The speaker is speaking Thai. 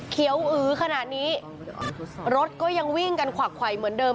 เขียวอือขนาดนี้รถก็ยังวิ่งกันขวักไขวเหมือนเดิม